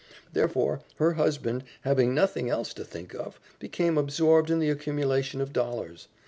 Therefore, her husband, having nothing else to think of, became absorbed in the accumulation of dollars.